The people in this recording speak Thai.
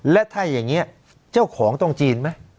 และถ้าอย่างนี้เจ้าของต้องจีนไหม